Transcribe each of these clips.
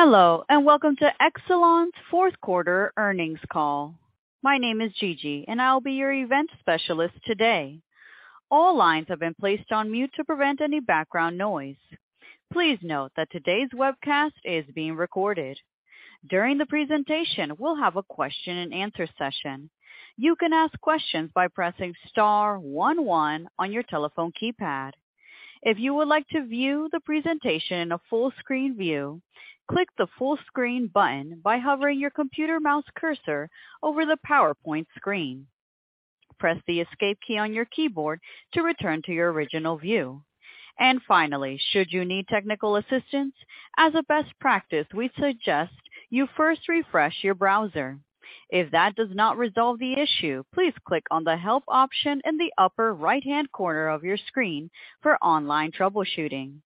Hello, and welcome to Exelon's fourth quarter earnings call. My name is Gigi, and I'll be your event specialist today. All lines have been placed on mute to prevent any background noise. Please note that today's webcast is being recorded. During the presentation, we'll have a question and answer session. You can ask questions by pressing star 11 on your telephone keypad. If you would like to view the presentation in a full-screen view, click the full screen button by hovering your computer mouse cursor over the PowerPoint screen. Press the escape key on your keyboard to return to your original view. Finally, should you need technical assistance, as a best practice, we suggest you first refresh your browser. If that does not resolve the issue, please click on the help option in the upper right-hand corner of your screen for online troubleshooting.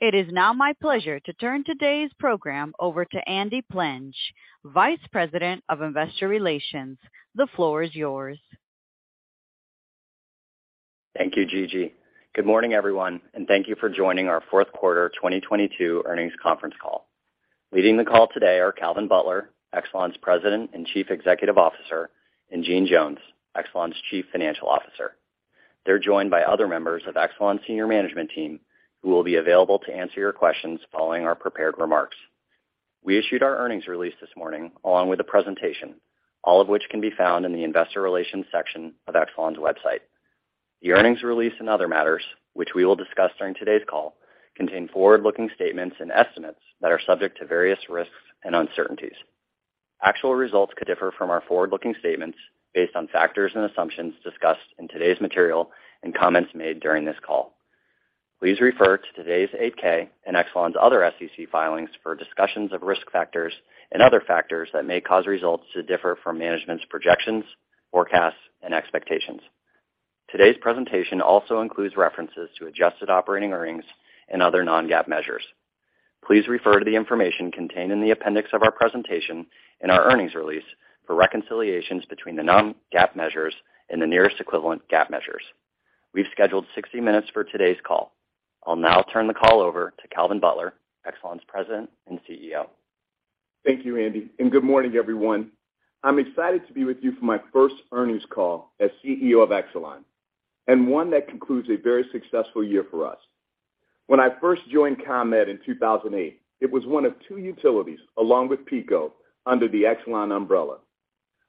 It is now my pleasure to turn today's program over to Andy Plevin, Vice President of Investor Relations. The floor is yours. Thank you, Gigi. Good morning, everyone, thank you for joining our Q4 2022 earnings conference call. Leading the call today are Calvin Butler, Exelon's President and Chief Executive Officer, Jeanne Jones, Exelon's Chief Financial Officer. They're joined by other members of Exelon's senior management team, who will be available to answer your questions following our prepared remarks. We issued our earnings release this morning, along with a presentation, all of which can be found in the investor relations section of Exelon's website. The earnings release and other matters, which we will discuss during today's call, contain forward-looking statements and estimates that are subject to various risks and uncertainties. Actual results could differ from our forward-looking statements based on factors and assumptions discussed in today's material and comments made during this call. Please refer to today's 8-K and Exelon's other SEC filings for discussions of risk factors and other factors that may cause results to differ from management's projections, forecasts, and expectations. Today's presentation also includes references to adjusted operating earnings and other non-GAAP measures. Please refer to the information contained in the appendix of our presentation in our earnings release for reconciliations between the non-GAAP measures and the nearest equivalent GAAP measures. We've scheduled 60 minutes for today's call. I'll now turn the call over to Calvin Butler, Exelon's President and CEO. Thank you, Andy. Good morning, everyone. I'm excited to be with you for my first earnings call as CEO of Exelon, and one that concludes a very successful year for us. When I first joined ComEd in 2008, it was one of two utilities, along with PECO, under the Exelon umbrella.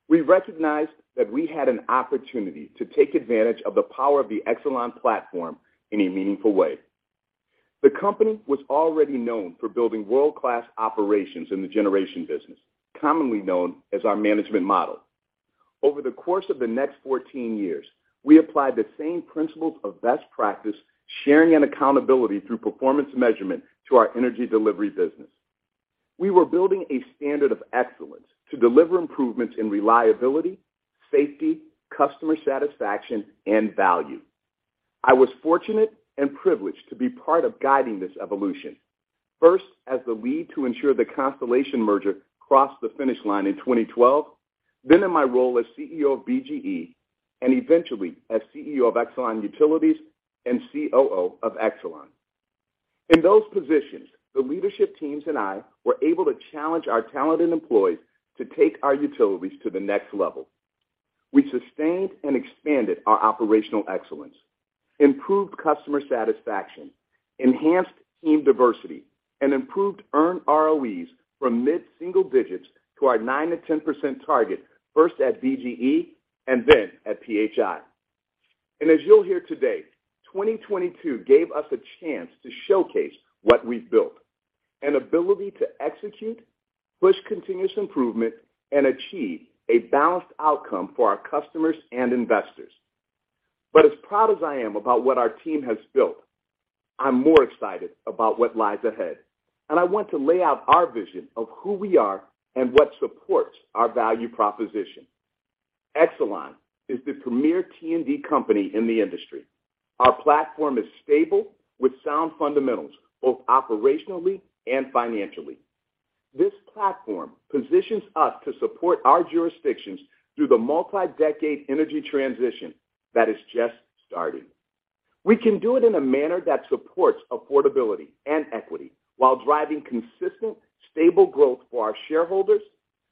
We recognized that we had an opportunity to take advantage of the power of the Exelon platform in a meaningful way. The company was already known for building world-class operations in the generation business, commonly known as our management model. Over the course of the next 14 years, we applied the same principles of best practice, sharing and accountability through performance measurement to our energy delivery business. We were building a standard of excellence to deliver improvements in reliability, safety, customer satisfaction and value. I was fortunate and privileged to be part of guiding this evolution, first as the lead to ensure the Constellation merger crossed the finish line in 2012, then in my role as CEO of BGE, and eventually as CEO of Exelon Utilities and COO of Exelon. In those positions, the leadership teams and I were able to challenge our talented employees to take our utilities to the next level. We sustained and expanded our operational excellence, improved customer satisfaction, enhanced team diversity, and improved earned ROEs from mid-single digits to our 9% to 10% target, first at BGE and then at PHI. As you'll hear today, 2022 gave us a chance to showcase what we've built, an ability to execute, push continuous improvement, and achieve a balanced outcome for our customers and investors. As proud as I am about what our team has built, I'm more excited about what lies ahead, and I want to lay out our vision of who we are and what supports our value proposition. Exelon is the premier T&D company in the industry. Our platform is stable with sound fundamentals, both operationally and financially. This platform positions us to support our jurisdictions through the multi-decade energy transition that has just started. We can do it in a manner that supports affordability and equity while driving consistent, stable growth for our shareholders,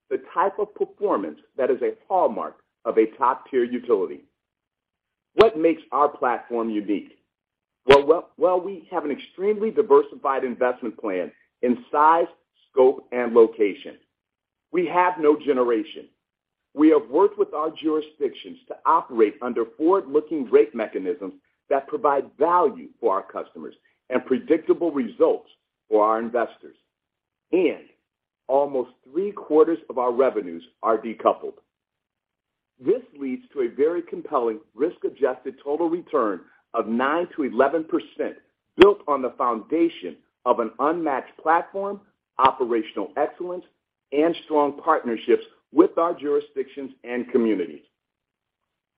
the type of performance that is a hallmark of a top-tier utility. What makes our platform unique? Well, we have an extremely diversified investment plan in size, scope, and location. We have no generation. We have worked with our jurisdictions to operate under forward-looking rate mechanisms that provide value for our customers and predictable results for our investors. Almost Q3 of our revenues are decoupled. This leads to a very compelling risk-adjusted total return of 9%-11% built on the foundation of an unmatched platform, operational excellence, and strong partnerships with our jurisdictions and communities.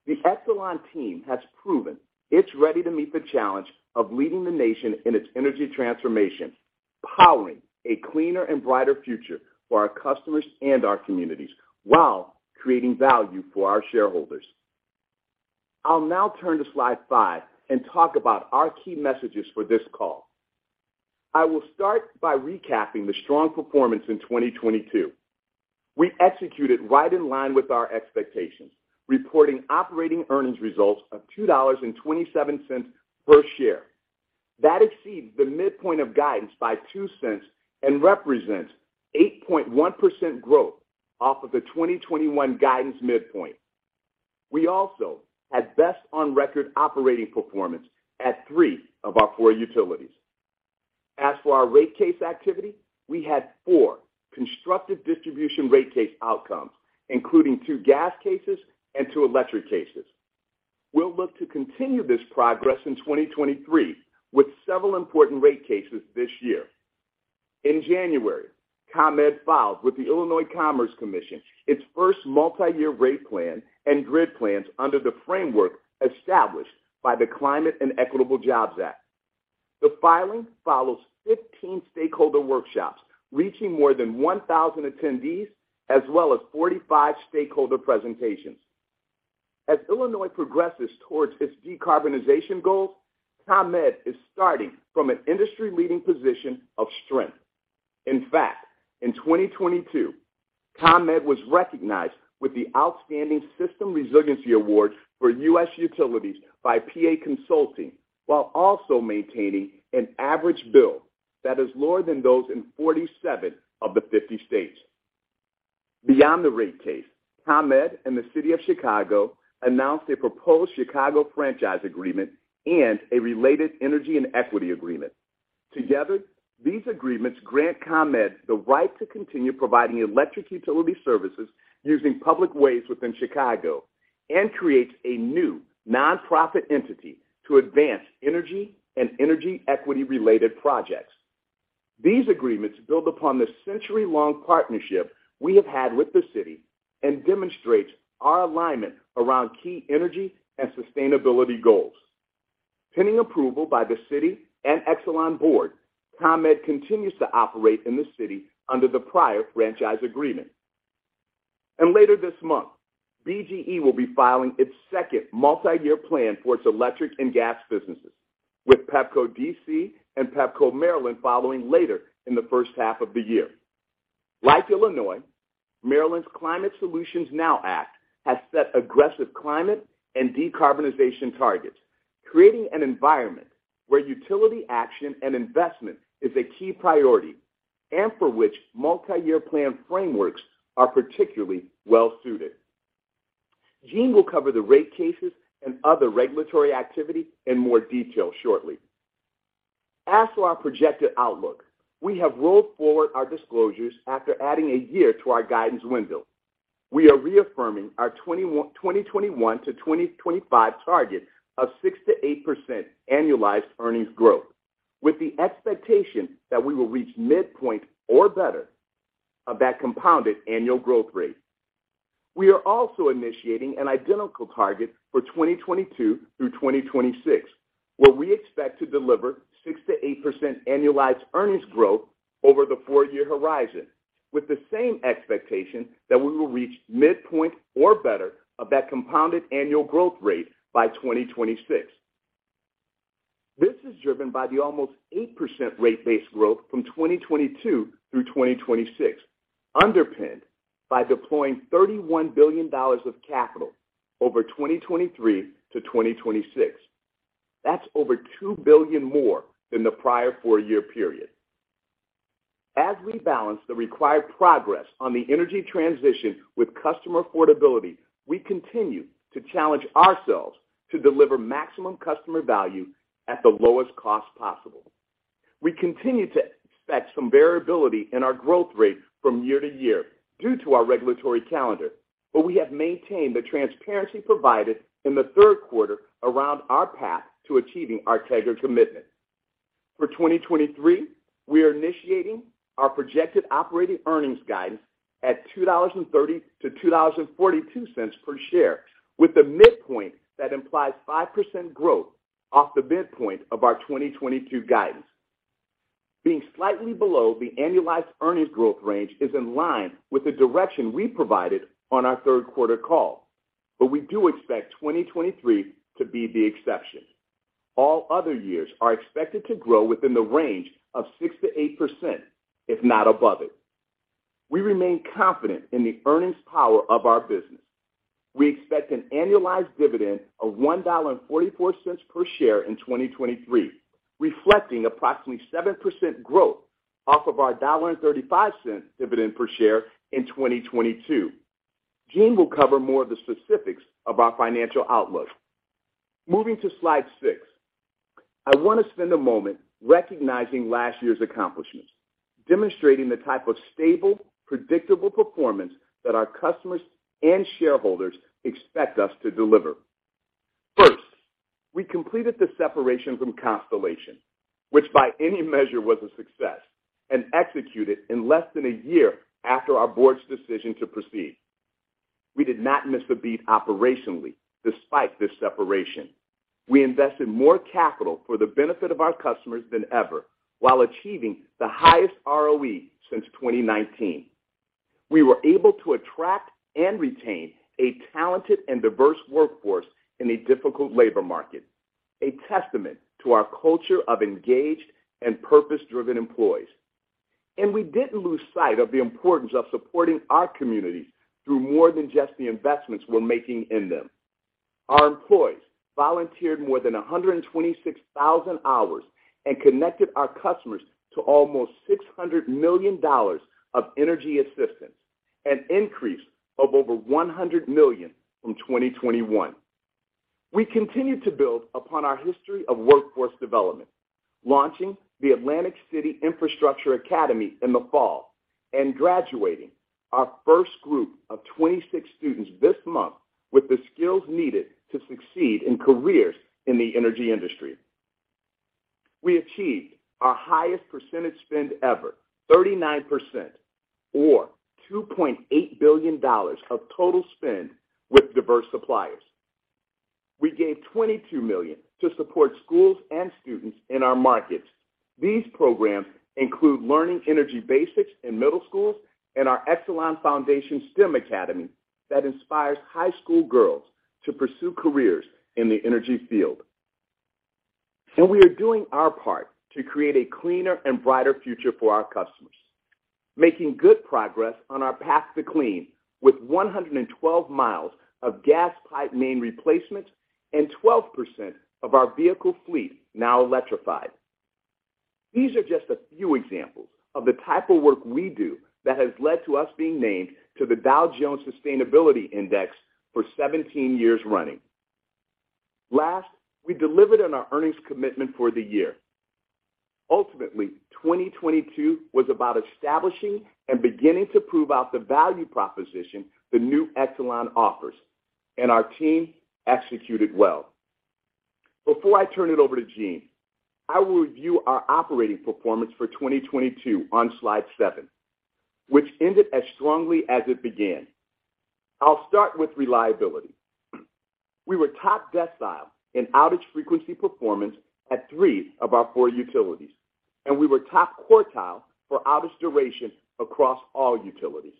The Exelon team has proven it's ready to meet the challenge of leading the nation in its energy transformation, powering a cleaner and brighter future for our customers and our communities while creating value for our shareholders. I'll now turn to slide 5 and talk about our key messages for this call. I will start by recapping the strong performance in 2022. We executed right in line with our expectations, reporting operating earnings results of $2.27 per share. That exceeds the midpoint of guidance by $0.02 and represents 8.1% growth off of the 2021 guidance midpoint. We also had best on record operating performance at 3 of our 4 utilities. As for our rate case activity, we had 4 constructive distribution rate case outcomes, including 2 gas cases and 2 electric cases. We'll look to continue this progress in 2023 with several important rate cases this year. In January, ComEd filed with the Illinois Commerce Commission, its first multi-year rate plan and grid plans under the framework established by the Climate and Equitable Jobs Act. The filing follows 15 stakeholder workshops, reaching more than 1,000 attendees as well as 45 stakeholder presentations. As Illinois progresses towards its decarbonization goals, ComEd is starting from an industry-leading position of strength. In fact, in 2022, ComEd was recognized with the Outstanding System Resiliency Award for U.S. Utilities by PA Consulting, while also maintaining an average bill that is lower than those in 47 of the 50 states. Beyond the rate case, ComEd and the City of Chicago announced a proposed Chicago franchise agreement and a related energy and equity agreement. Together, these agreements grant ComEd the right to continue providing electric utility services using public ways within Chicago and creates a new nonprofit entity to advance energy and energy equity related projects. These agreements build upon the century-long partnership we have had with the city and demonstrates our alignment around key energy and sustainability goals. Pending approval by the city and Exelon board, ComEd continues to operate in the city under the prior franchise agreement. Later this month, BGE will be filing its second multi-year plan for its electric and gas businesses, with Pepco D.C. and Pepco Maryland following later in the first half of the year. Like Illinois, Maryland's Climate Solutions Now Act has set aggressive climate and decarbonization targets, creating an environment where utility action and investment is a key priority, and for which multi-year plan frameworks are particularly well suited. Jeanne will cover the rate cases and other regulatory activity in more detail shortly. For our projected outlook, we have rolled forward our disclosures after adding a year to our guidance window. We are reaffirming our 2021-2025 target of 6%-8% annualized earnings growth, with the expectation that we will reach midpoint or better of that compounded annual growth rate. We are also initiating an identical target for 2022 through 2026, where we expect to deliver 6%-8% annualized earnings growth over the 4-year horizon, with the same expectation that we will reach midpoint or better of that compounded annual growth rate by 2026. This is driven by the almost 8% rate base growth from 2022 through 2026, underpinned by deploying $31 billion of capital over 2023 to 2026. That's over $2 billion more than the prior 4-year period. As we balance the required progress on the energy transition with customer affordability, we continue to challenge ourselves to deliver maximum customer value at the lowest cost possible. We continue to expect some variability in our growth rate from year to year due to our regulatory calendar. We have maintained the transparency provided in the Q3 around our path to achieving our transparency commitment. For 2023, we are initiating our projected operating earnings guidance at $2.30-$2.42 per share, with a midpoint that implies 5% growth off the midpoint of our 2022 guidance. Being slightly below the annualized earnings growth range is in line with the direction we provided on our third quarter call. We do expect 2023 to be the exception. All other years are expected to grow within the range of 6%-8%, if not above it. We remain confident in the earnings power of our business. We expect an annualized dividend of $1.44 per share in 2023, reflecting approximately 7% growth off of our $1.35 dividend per share in 2022. Jeanne will cover more of the specifics of our financial outlook. Moving to slide 6, I want to spend a moment recognizing last year's accomplishments, demonstrating the type of stable, predictable performance that our customers and shareholders expect us to deliver. First, we completed the separation from Constellation, which by any measure was a success, and executed in less than a year after our board's decision to proceed. We did not miss a beat operationally despite this separation. We invested more capital for the benefit of our customers than ever while achieving the highest ROE since 2019. We were able to attract and retain a talented and diverse workforce in a difficult labor market, a testament to our culture of engaged and purpose-driven employees. We didn't lose sight of the importance of supporting our communities through more than just the investments we're making in them. Our employees volunteered more than 126,000 hours and connected our customers to almost $600 million of energy assistance, an increase of over $100 million from 2021. We continued to build upon our history of workforce development, launching the Atlantic City Infrastructure Academy in the fall and graduating our first group of 26 students this month with the skills needed to succeed in careers in the energy industry. We achieved our highest percentage spend ever, 39% or $2.8 billion of total spend with diverse suppliers. We gave $22 million to support schools and students in our markets. These programs include learning energy basics in middle schools and our Exelon Foundation STEM Academy that inspires high school girls to pursue careers in the energy field. We are doing our part to create a cleaner and brighter future for our customers, making good progress on our path to clean with 112 miles of gas pipe main replacements and 12% of our vehicle fleet now electrified. These are just a few examples of the type of work we do that has led to us being named to the Dow Jones Sustainability Index for 17 years running. Last, we delivered on our earnings commitment for the year. Ultimately, 2022 was about establishing and beginning to prove out the value proposition the new Exelon offers. Our team executed well. Before I turn it over to Jeanne, I will review our operating performance for 2022 on slide 7, which ended as strongly as it began. I'll start with reliability. We were top decile in outage frequency performance at three of our four utilities, and we were top quartile for outage duration across all utilities.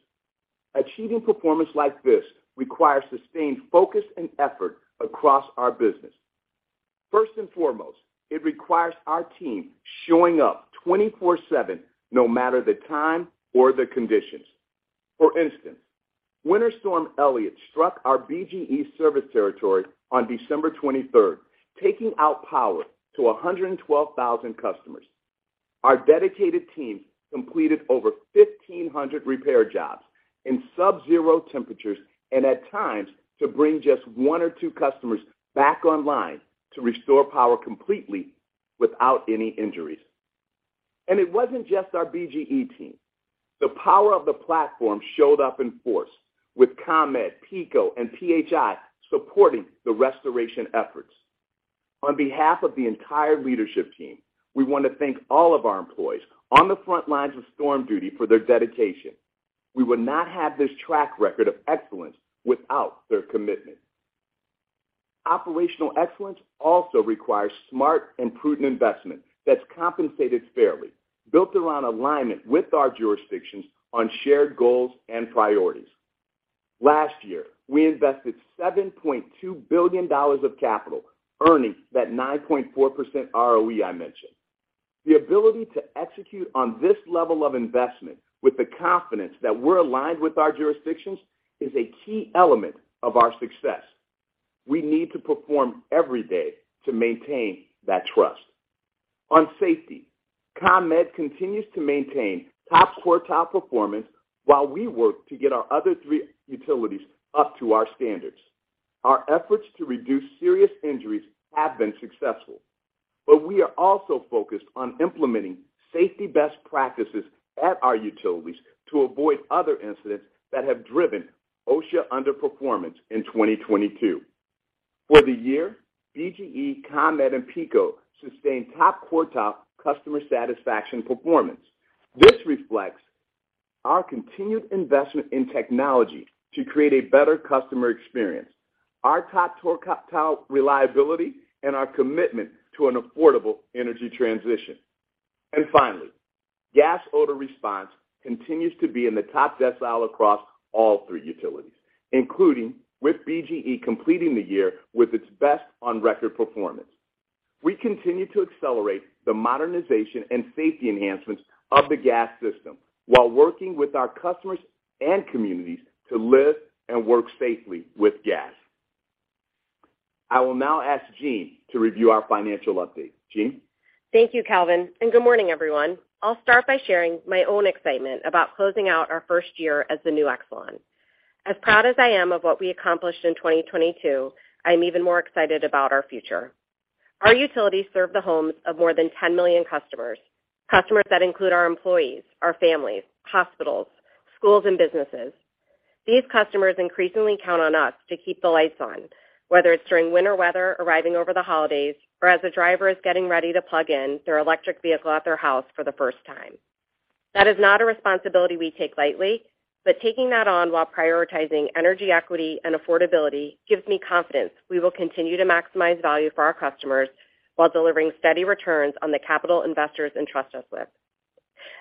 Achieving performance like this requires sustained focus and effort across our business. First and foremost, it requires our team showing up 24/7, no matter the time or the conditions. For instance, Winter Storm Elliott struck our BGE service territory on December 23rd, taking out power to 112,000 customers. Our dedicated teams completed over 1,500 repair jobs in subzero temperatures and at times to bring just one or two customers back online to restore power completely without any injuries. It wasn't just our BGE team. The power of the platform showed up in force with ComEd, PECO, and PHI supporting the restoration efforts. On behalf of the entire leadership team, we want to thank all of our employees on the front lines of storm duty for their dedication. We would not have this track record of excellence without their commitment. Operational excellence also requires smart and prudent investment that's compensated fairly, built around alignment with our jurisdictions on shared goals and priorities. Last year, we invested $7.2 billion of capital, earning that 9.4% ROE I mentioned. The ability to execute on this level of investment with the confidence that we're aligned with our jurisdictions is a key element of our success. We need to perform every day to maintain that trust. On safety, ComEd continues to maintain top quartile performance while we work to get our other three utilities up to our standards. Our efforts to reduce serious injuries have been successful, but we are also focused on implementing safety best practices at our utilities to avoid other incidents that have driven OSHA underperformance in 2022. For the year, BGE, ComEd, and PECO sustained top quartile customer satisfaction performance. This reflects our continued investment in technology to create a better customer experience, our top quartile reliability, and our commitment to an affordable energy transition. Finally, gas odor response continues to be in the top decile across all 3 utilities, including with BGE completing the year with its best on record performance. We continue to accelerate the modernization and safety enhancements of the gas system while working with our customers and communities to live and work safely with gas. I will now ask Jean to review our financial update. Jean? Thank you, Calvin. Good morning, everyone. I'll start by sharing my own excitement about closing out our first year as the new Exelon. As proud as I am of what we accomplished in 2022, I'm even more excited about our future. Our utilities serve the homes of more than 10 million customers that include our employees, our families, hospitals, schools, and businesses. These customers increasingly count on us to keep the lights on, whether it's during winter weather arriving over the holidays or as a driver is getting ready to plug in their electric vehicle at their house for the first time. That is not a responsibility we take lightly. Taking that on while prioritizing energy equity and affordability gives me confidence we will continue to maximize value for our customers while delivering steady returns on the capital investors entrust us with.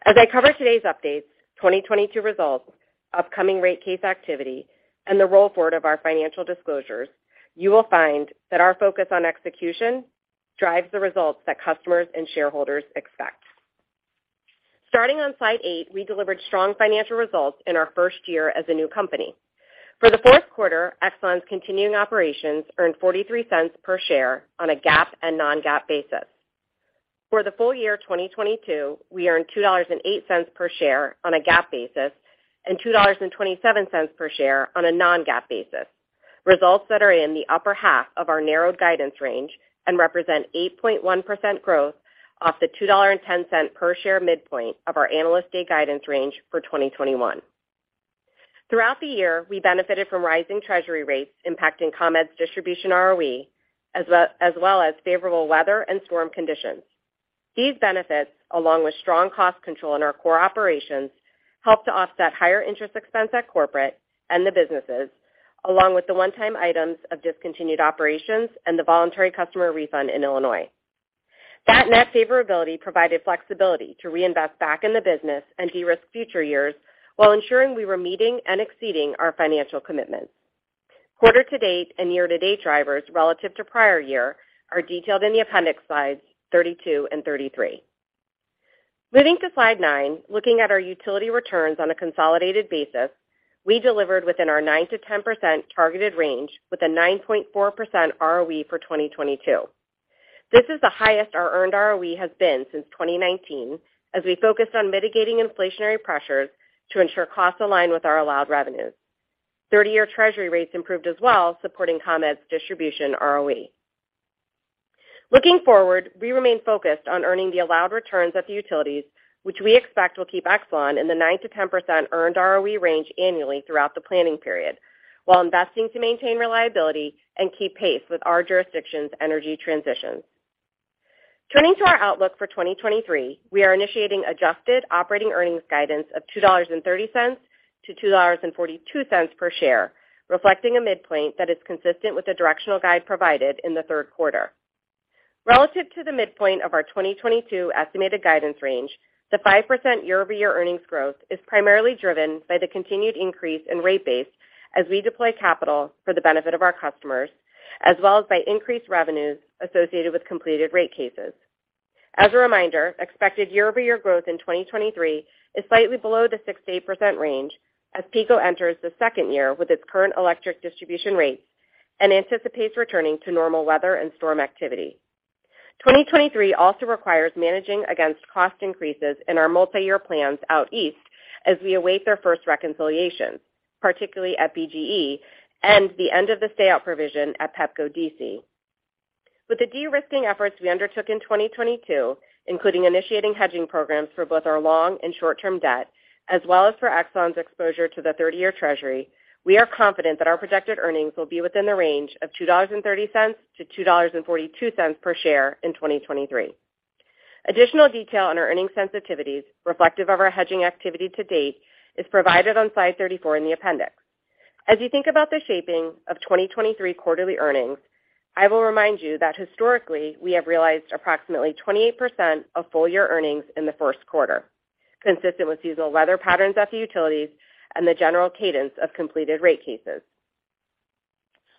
As I cover today's updates, 2022 results, upcoming rate case activity, and the roll forward of our financial disclosures, you will find that our focus on execution drives the results that customers and shareholders expect. Starting on slide 8, we delivered strong financial results in our first year as a new company. For the fourth quarter, Exelon's continuing operations earned $0.43 per share on a GAAP and non-GAAP basis. For the full year 2022, we earned $2.08 per share on a GAAP basis and $2.27 per share on a non-GAAP basis, results that are in the upper half of our narrowed guidance range and represent 8.1% growth off the $2.10 per share midpoint of our Analyst Day guidance range for 2021. Throughout the year, we benefited from rising Treasury rates impacting ComEd's distribution ROE as well as favorable weather and storm conditions. These benefits, along with strong cost control in our core operations, helped to offset higher interest expense at corporate and the businesses, along with the one-time items of discontinued operations and the voluntary customer refund in Illinois. That net favorability provided flexibility to reinvest back in the business and de-risk future years while ensuring we were meeting and exceeding our financial commitments. Quarter to date and year to date drivers relative to prior year are detailed in the appendix slides 32 and 33. Moving to slide 9, looking at our utility returns on a consolidated basis, we delivered within our 9%-10% targeted range with a 9.4% ROE for 2022. This is the highest our earned ROE has been since 2019 as we focused on mitigating inflationary pressures to ensure costs align with our allowed revenues. 30-year Treasury rates improved as well, supporting ComEd's distribution ROE. Looking forward, we remain focused on earning the allowed returns at the utilities, which we expect will keep Exelon in the 9%-10% earned ROE range annually throughout the planning period, while investing to maintain reliability and keep pace with our jurisdiction's energy transitions. Turning to our outlook for 2023, we are initiating adjusted operating earnings guidance of $2.30-$2.42 per share, reflecting a midpoint that is consistent with the directional guide provided in the Q3. Relative to the midpoint of our 2022 estimated guidance range, the 5% year-over-year earnings growth is primarily driven by the continued increase in rate base as we deploy capital for the benefit of our customers, as well as by increased revenues associated with completed rate cases. As a reminder, expected year-over-year growth in 2023 is slightly below the 6%-8% range as PECO enters the second year with its current electric distribution rates and anticipates returning to normal weather and storm activity. 2023 also requires managing against cost increases in our multi-year plans out east as we await their first reconciliations, particularly at BGE and the end of the stay out provision at Pepco D.C. With the de-risking efforts we undertook in 2022, including initiating hedging programs for both our long and short-term debt, as well as for Exelon's exposure to the 30-year Treasury, we are confident that our projected earnings will be within the range of $2.30-$2.42 per share in 2023. Additional detail on our earnings sensitivities reflective of our hedging activity to date is provided on slide 34 in the appendix. As you think about the shaping of 2023 quarterly earnings, I will remind you that historically, we have realized approximately 28% of full year earnings in the Q1, consistent with seasonal weather patterns at the utilities and the general cadence of completed rate cases.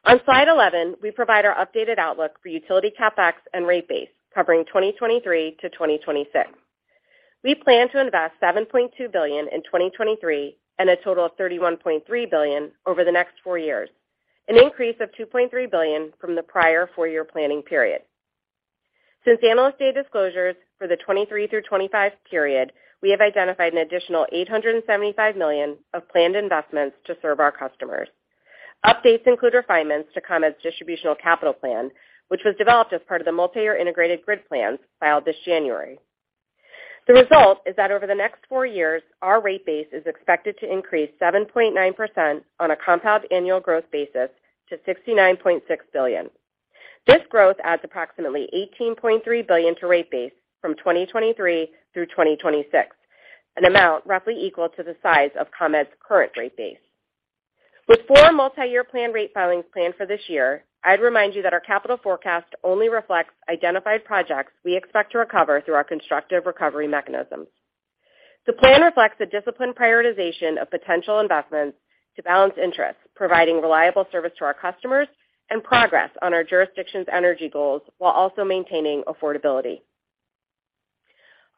On slide 11, we provide our updated outlook for utility CapEx and rate base covering 2023-2026. We plan to invest $7.2 billion in 2023 and a total of $31.3 billion over the next 4 years, an increase of $2.3 billion from the prior 4-year planning period. Since Analyst Day disclosures for the 2023 through 2025 period, we have identified an additional $875 million of planned investments to serve our customers. Updates include refinements to ComEd's distributional capital plan, which was developed as part of the multi-year integrated grid plans filed this January. The result is that over the next four years, our rate base is expected to increase 7.9% on a compound annual growth basis to $69.6 billion. This growth adds approximately $18.3 billion to rate base from 2023 through 2026, an amount roughly equal to the size of ComEd's current rate base. With four multi-year plan rate filings planned for this year, I'd remind you that our capital forecast only reflects identified projects we expect to recover through our constructive recovery mechanisms. The plan reflects a disciplined prioritization of potential investments to balance interests, providing reliable service to our customers and progress on our jurisdiction's energy goals while also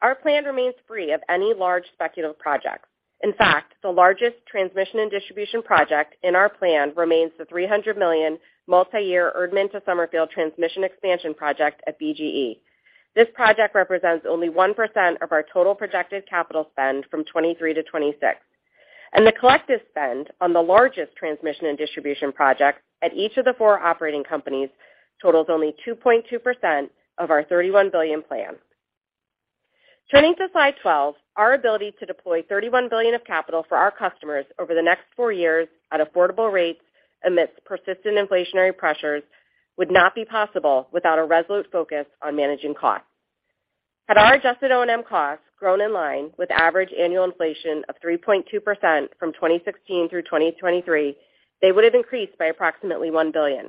maintaining affordability. Our plan remains free of any large speculative projects. In fact, the largest transmission and distribution project in our plan remains the $300 million multi-year Erdman to Summerfield transmission expansion project at BGE. This project represents only 1% of our total projected capital spend from 2023-2026, and the collective spend on the largest transmission and distribution projects at each of the 4 operating companies totals only 2.2% of our $31 billion plan. Turning to slide 12, our ability to deploy $31 billion of capital for our customers over the next 4 years at affordable rates amidst persistent inflationary pressures would not be possible without a resolute focus on managing costs. Had our adjusted O&M costs grown in line with average annual inflation of 3.2% from 2016 through 2023, they would have increased by approximately $1 billion.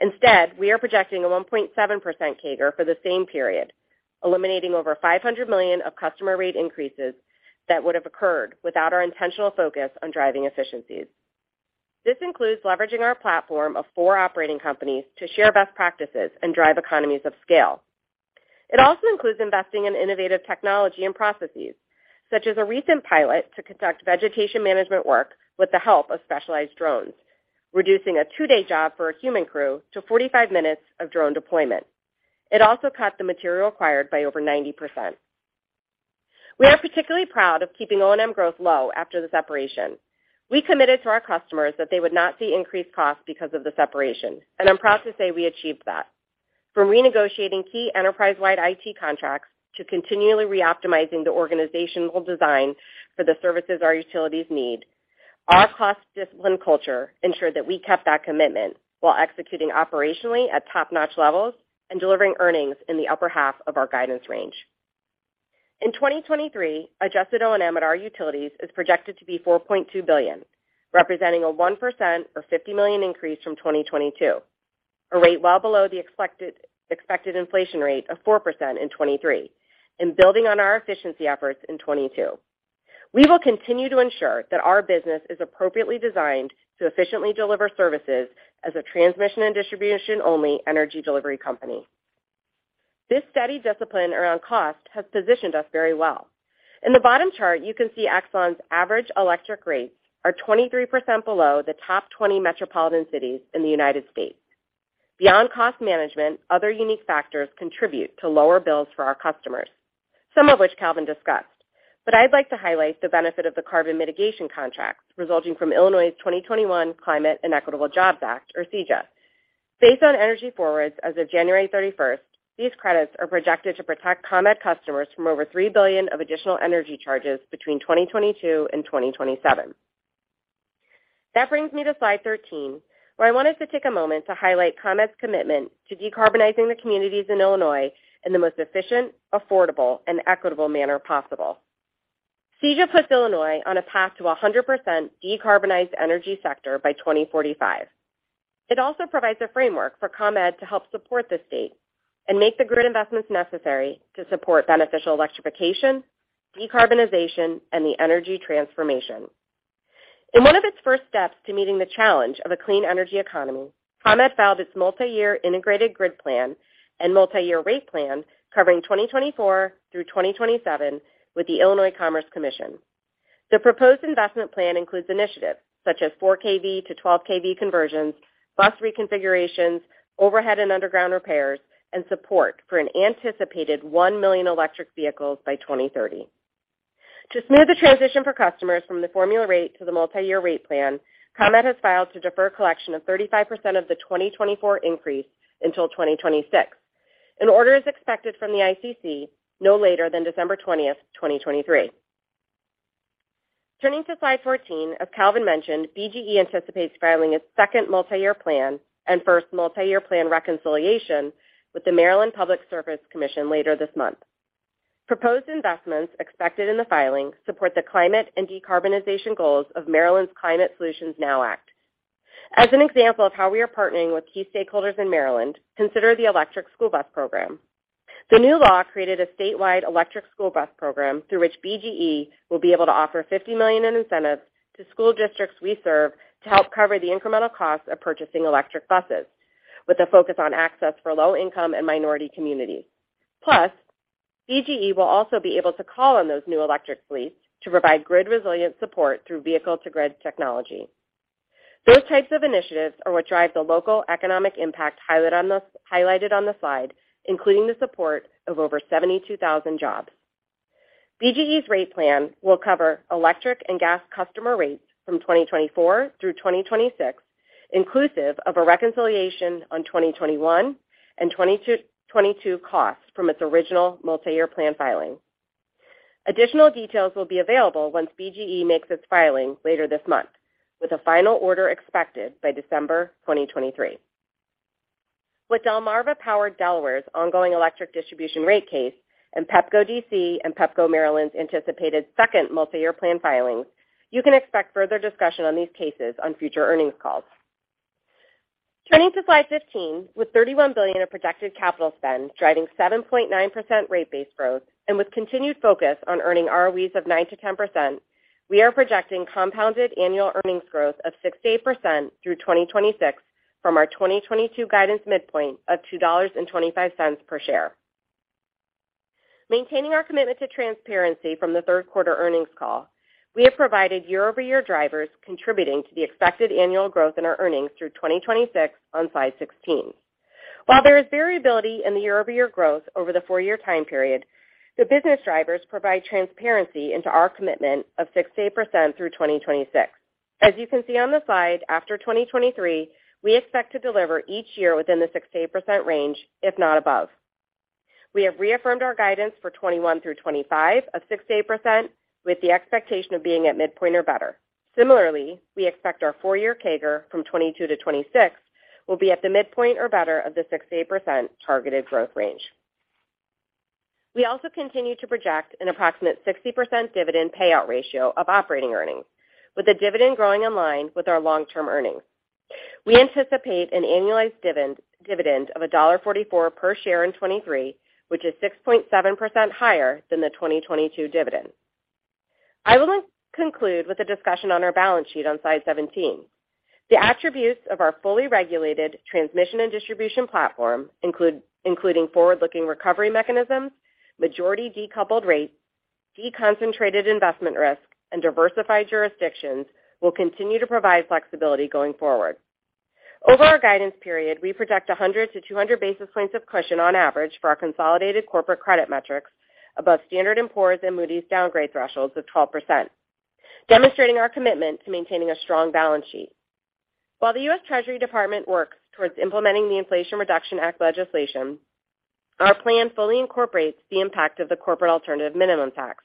Instead, we are projecting a 1.7% CAGR for the same period, eliminating over $500 million of customer rate increases that would have occurred without our intentional focus on driving efficiencies. This includes leveraging our platform of four operating companies to share best practices and drive economies of scale. It also includes investing in innovative technology and processes, such as a recent pilot to conduct vegetation management work with the help of specialized drones, reducing a two-day job for a human crew to 45 minutes of drone deployment. It also cut the material required by over 90%. We are particularly proud of keeping O&M growth low after the separation. We committed to our customers that they would not see increased costs because of the separation, and I'm proud to say we achieved that. From renegotiating key enterprise-wide IT contracts to continually reoptimizing the organizational design for the services our utilities need, our cost discipline culture ensured that we kept that commitment while executing operationally at top-notch levels and delivering earnings in the upper half of our guidance range. In 2023, adjusted O&M at our utilities is projected to be $4.2 billion, representing a 1% or $50 million increase from 2022, a rate well below the expected inflation rate of 4% in 2023 and building on our efficiency efforts in 2022. We will continue to ensure that our business is appropriately designed to efficiently deliver services as a transmission and distribution-only energy delivery company. This steady discipline around cost has positioned us very well. In the bottom chart, you can see Exelon's average electric rates are 23 below the top 20 metropolitan cities in the United States. Beyond cost management, other unique factors contribute to lower bills for our customers, some of which Calvin discussed, but I'd like to highlight the benefit of the carbon mitigation contracts resulting from Illinois' 2021 Climate and Equitable Jobs Act, or CEJA. Based on energy forwards as of January 31, these credits are projected to protect ComEd customers from over $3 billion of additional energy charges between 2022 and 2027. That brings me to slide 13, where I wanted to take a moment to highlight ComEd's commitment to decarbonizing the communities in Illinois in the most efficient, affordable, and equitable manner possible. CEJA puts Illinois on a path to a 100% decarbonized energy sector by 2045. It also provides a framework for ComEd to help support the state and make the grid investments necessary to support beneficial electrification, decarbonization, and the energy transformation. In one of its first steps to meeting the challenge of a clean energy economy, ComEd filed its multiyear integrated grid plan and multiyear rate plan covering 2024 through 2027 with the Illinois Commerce Commission. The proposed investment plan includes initiatives such as 4 kV to 12 kV conversions, bus reconfigurations, overhead and underground repairs, and support for an anticipated 1 million electric vehicles by 2030. To smooth the transition for customers from the formula rate to the multiyear rate plan, ComEd has filed to defer collection of 35% of the 2024 increase until 2026. An order is expected from the ICC no later than December 20, 2023. Turning to slide 14, as Calvin mentioned, BGE anticipates filing its second multiyear plan and first multiyear plan reconciliation with the Maryland Public Service Commission later this month. Proposed investments expected in the filing support the climate and decarbonization goals of Maryland's Climate Solutions Now Act. As an example of how we are partnering with key stakeholders in Maryland, consider the electric school bus program. The new law created a statewide electric school bus program through which BGE will be able to offer $50 million in incentives to school districts we serve to help cover the incremental costs of purchasing electric buses, with a focus on access for low-income and minority communities. Plus, BGE will also be able to call on those new electric fleets to provide grid-resilient support through vehicle-to-grid technology. Those types of initiatives are what drive the local economic impact highlighted on the slide, including the support of over 72,000 jobs. BGE's rate plan will cover electric and gas customer rates from 2024 through 2026, inclusive of a reconciliation on 2021 and 2022 costs from its original multiyear plan filing. Additional details will be available once BGE makes its filing later this month, with a final order expected by December 2023. With Delmarva Power Delaware's ongoing electric distribution rate case and Pepco D.C. and Pepco Maryland's anticipated second multiyear plan filings, you can expect further discussion on these cases on future earnings calls. Turning to slide 15, with $31 billion of projected capital spend driving 7.9% rate base growth, and with continued focus on earning ROEs of 9%-10%, we are projecting compounded annual earnings growth of 6%-8% through 2026 from our 2022 guidance midpoint of $2.25 per share. Maintaining our commitment to transparency from the Q3 earnings call, we have provided year-over-year drivers contributing to the expected annual growth in our earnings through 2026 on slide 16. While there is variability in the year-over-year growth over the four-year time period, the business drivers provide transparency into our commitment of 6%-8% through 2026. As you can see on the slide, after 2023, we expect to deliver each year within the 6%-8% range, if not above. We have reaffirmed our guidance for 2021 through 2025 of 6%-8% with the expectation of being at midpoint or better. Similarly, we expect our four-year CAGR from 2022 to 2026 will be at the midpoint or better of the 6%-8% targeted growth range. We also continue to project an approximate 60% dividend payout ratio of operating earnings, with the dividend growing in line with our long-term earnings. We anticipate an annualized dividend of $1.44 per share in 2023, which is 6.7% higher than the 2022 dividend. I will now conclude with a discussion on our balance sheet on slide 17. The attributes of our fully regulated transmission and distribution platform, including forward-looking recovery mechanisms, majority decoupled rates, deconcentrated investment risk, and diversified jurisdictions, will continue to provide flexibility going forward. Over our guidance period, we project 100 to 200 basis points of cushion on average for our consolidated corporate credit metrics above Standard & Poor's and Moody's downgrade thresholds of 12%, demonstrating our commitment to maintaining a strong balance sheet. While the U.S. Treasury Department works towards implementing the Inflation Reduction Act legislation, our plan fully incorporates the impact of the corporate alternative minimum tax,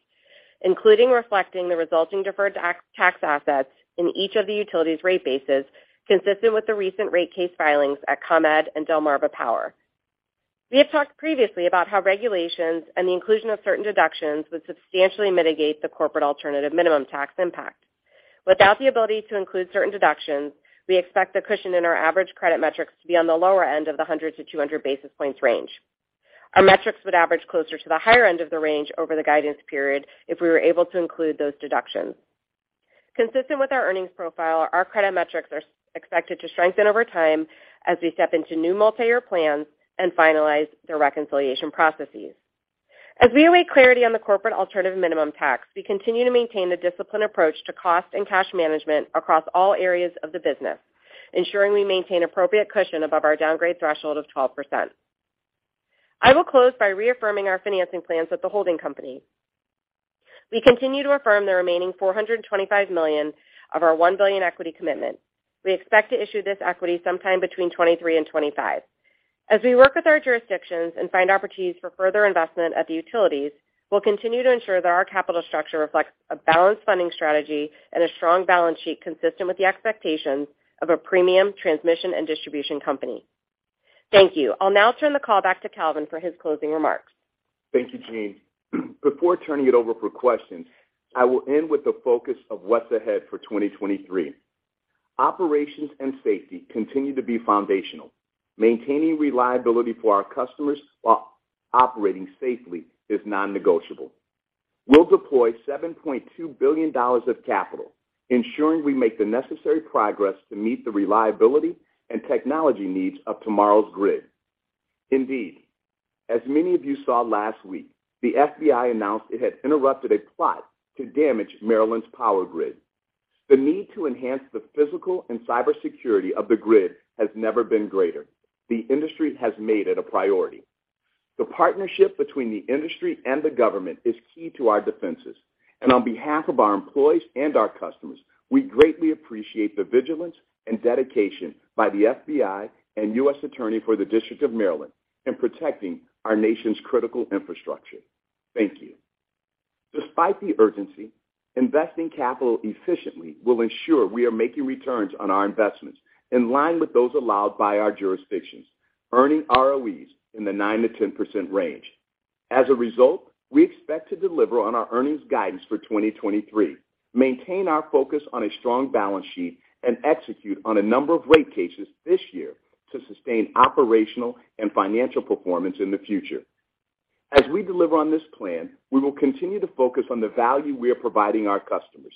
including reflecting the resulting deferred tax assets in each of the utilities rate bases, consistent with the recent rate case filings at ComEd and Delmarva Power. We have talked previously about how regulations and the inclusion of certain deductions would substantially mitigate the corporate alternative minimum tax impact. Without the ability to include certain deductions, we expect the cushion in our average credit metrics to be on the lower end of the 100 to 200 basis points range. Our metrics would average closer to the higher end of the range over the guidance period if we were able to include those deductions. Consistent with our earnings profile, our credit metrics are expected to strengthen over time as we step into new multiyear plans and finalize the reconciliation processes. We await clarity on the corporate alternative minimum tax, we continue to maintain a disciplined approach to cost and cash management across all areas of the business, ensuring we maintain appropriate cushion above our downgrade threshold of 12%. I will close by reaffirming our financing plans at the holding company. We continue to affirm the remaining $425 million of our $1 billion equity commitment. We expect to issue this equity sometime between 2023 and 2025. As we work with our jurisdictions and find opportunities for further investment at the utilities, we'll continue to ensure that our capital structure reflects a balanced funding strategy and a strong balance sheet consistent with the expectations of a premium transmission and distribution company. Thank you. I'll now turn the call back to Calvin for his closing remarks. Thank you, Jeanne. Before turning it over for questions, I will end with the focus of what's ahead for 2023. Operations and safety continue to be foundational. Maintaining reliability for our customers while operating safely is non-negotiable. We'll deploy $7.2 billion of capital, ensuring we make the necessary progress to meet the reliability and technology needs of tomorrow's grid. Indeed, as many of you saw last week, the FBI announced it had interrupted a plot to damage Maryland's power grid. The need to enhance the physical and cybersecurity of the grid has never been greater. The industry has made it a priority. The partnership between the industry and the government is key to our defenses. On behalf of our employees and our customers, we greatly appreciate the vigilance and dedication by the FBI and U.S. Attorney for the District of Maryland in protecting our nation's critical infrastructure. Thank you. Despite the urgency, investing capital efficiently will ensure we are making returns on our investments in line with those allowed by our jurisdictions, earning ROEs in the 9%-10% range. As a result, we expect to deliver on our earnings guidance for 2023, maintain our focus on a strong balance sheet, and execute on a number of rate cases this year to sustain operational and financial performance in the future. As we deliver on this plan, we will continue to focus on the value we are providing our customers.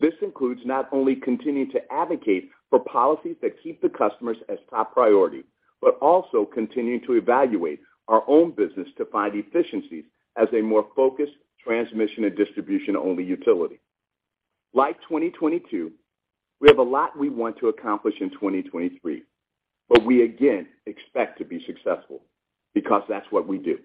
This includes not only continuing to advocate for policies that keep the customers as top priority, but also continuing to evaluate our own business to find efficiencies as a more focused transmission and distribution-only utility. Like 2022, we have a lot we want to accomplish in 2023, but we again expect to be successful because that's what we do.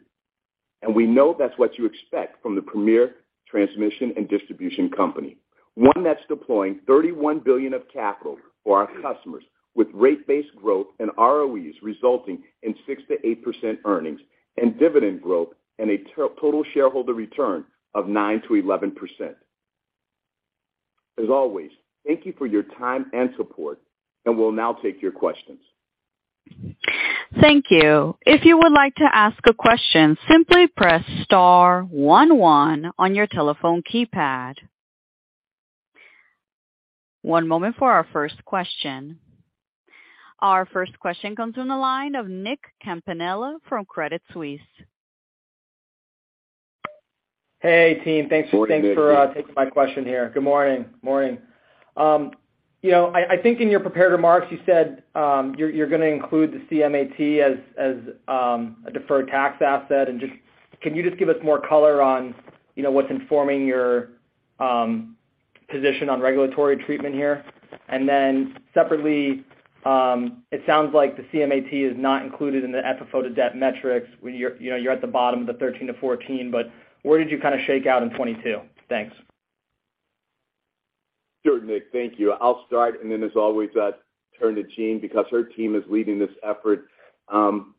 We know that's what you expect from the premier transmission and distribution company, one that's deploying $31 billion of capital for our customers with rate-based growth and ROEs resulting in 6%-8% earnings and dividend growth and a to-total shareholder return of 9%-11%. As always, thank you for your time and support, we'll now take your questions. Thank you. If you would like to ask a question, simply press star one one on your telephone keypad. One moment for our first question. Our first question comes from the line of Nick Campanella from Credit Suisse. Hey, team. Morning, Nick. Thanks for taking my question here. Good morning. Morning. You know, I think in your prepared remarks, you said, you're gonna include the CAMT as a deferred tax asset. Can you give us more color on, you know, what's informing your position on regulatory treatment here? Then separately, it sounds like the CAMT is not included in the FFO to debt metrics when you're, you know, you're at the bottom of the 13-14, but where did you kind of shake out in 2022? Thanks. Sure, Nick. Thank you. I'll start, and then as always, turn to Jeanne because her team is leading this effort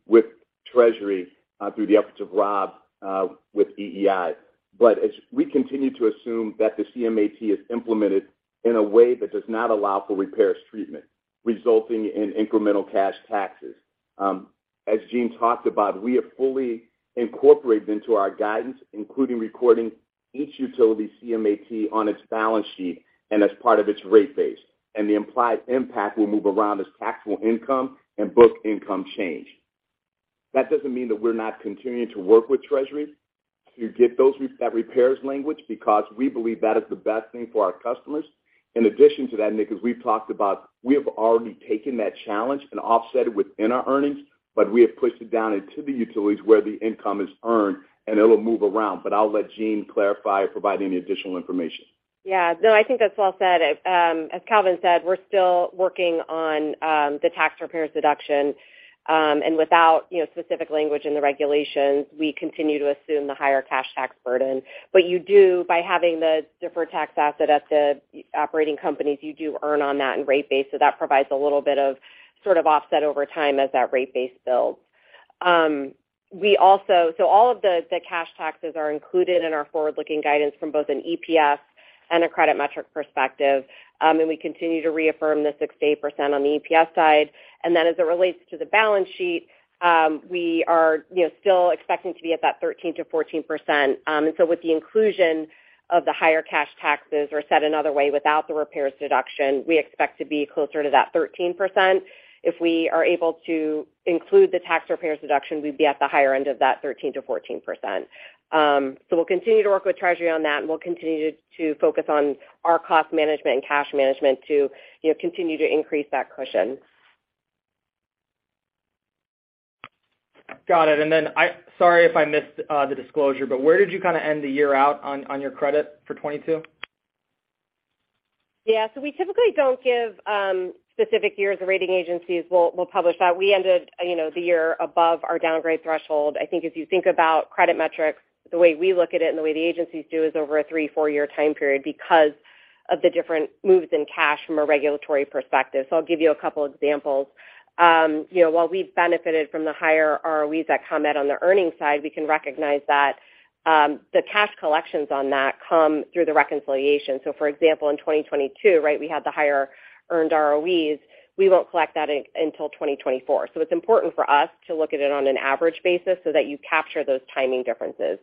with Treasury through the efforts of Rob with EEI. As we continue to assume that the CAMT is implemented in a way that does not allow for repairs treatment, resulting in incremental cash taxes. As Jeanne talked about, we have fully incorporated into our guidance, including recording each utility CAMT on its balance sheet and as part of its rate base, and the implied impact will move around as taxable income and book income change. That doesn't mean that we're not continuing to work with Treasury to get those that repairs language because we believe that is the best thing for our customers. In addition to that, Nick, as we've talked about, we have already taken that challenge and offset it within our earnings, but we have pushed it down into the utilities where the income is earned and it'll move around. I'll let Jeanne clarify or provide any additional information. Yeah. No, I think that's well said. As Calvin said, we're still working on the tax repairs deduction. Without, you know, specific language in the regulations, we continue to assume the higher cash tax burden. You do by having the deferred tax asset at the operating companies, you do earn on that and rate base. That provides a little bit of sort of offset over time as that rate base builds. All of the cash taxes are included in our forward-looking guidance from both an EPS and a credit metric perspective. We continue to reaffirm the 6%-8% on the EPS side. As it relates to the balance sheet, we are, you know, still expecting to be at that 13%-14%. With the inclusion of the higher cash taxes or said another way, without the repairs deduction, we expect to be closer to that 13%. If we are able to include the tax repairs deduction, we'd be at the higher end of that 13%-14%. We'll continue to work with Treasury on that, and we'll continue to focus on our cost management and cash management to, you know, continue to increase that cushion. Got it. Then sorry if I missed the disclosure, but where did you kind of end the year out on your credit for 22? Yeah. We typically don't give specific years. The rating agencies will publish that. We ended, you know, the year above our downgrade threshold. I think if you think about credit metrics, the way we look at it and the way the agencies do is over a three, four-year time period because of the different moves in cash from a regulatory perspective. I'll give you a couple examples. You know, while we've benefited from the higher ROEs that ComEd on the earnings side, we can recognize that the cash collections on that come through the reconciliation. For example, in 2022, right, we had the higher earned ROEs. We won't collect that until 2024. It's important for us to look at it on an average basis so that you capture those timing differences.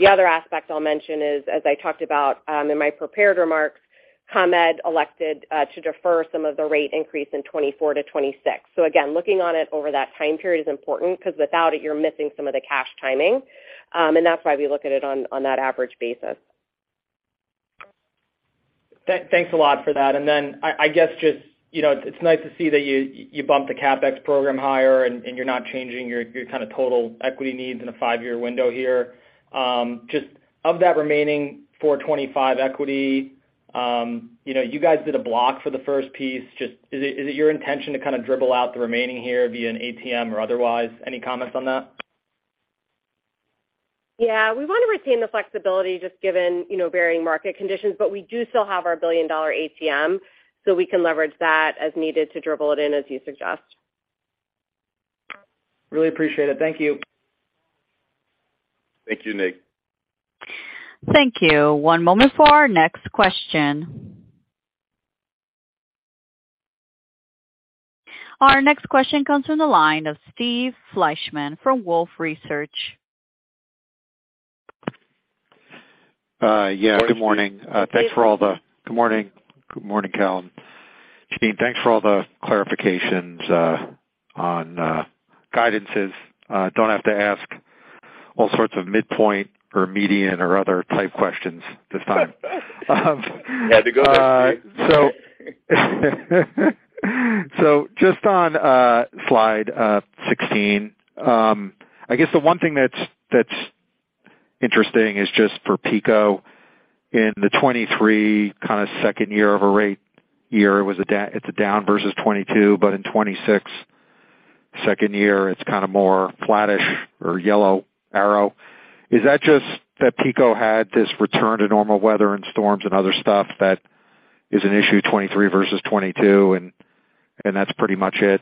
The other aspect I'll mention is, as I talked about, in my prepared remarks, ComEd elected, to defer some of the rate increase in 2024 to 2026. Again, looking on it over that time period is important because without it, you're missing some of the cash timing. That's why we look at it on that average basis. Thanks a lot for that. I guess just, you know, it's nice to see that you bumped the CapEx program higher and you're not changing your kind of total equity needs in a five-year window here. Just of that remaining $425 equity, you know, you guys did a block for the first piece. Is it your intention to kind of dribble out the remaining here via an ATM or otherwise? Any comments on that? Yeah. We want to retain the flexibility just given, you know, varying market conditions, but we do still have our billion-dollar ATM, so we can leverage that as needed to dribble it in as you suggest. Really appreciate it. Thank you. Thank you, Nick. Thank you. One moment for our next question. Our next question comes from the line of Steve Fleishman from Wolfe Research. yeah, good morning. thanks for all the-. Steve. Good morning. Good morning, Calvin. Jeanne, thanks for all the clarifications, on, guidances. Don't have to ask all sorts of midpoint or median or other type questions this time. Had to go there, Steve. Just on slide 16, I guess the one thing that's interesting is just for PECO in the 23 kind of second year of a rate year, it's a down versus 22, but in 26 second year, it's kind of more flattish or yellow arrow. Is that just that PECO had this return to normal weather and storms and other stuff that is an issue 23 versus 22 and that's pretty much it,